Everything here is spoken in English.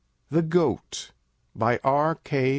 THE GOAT BY R.K.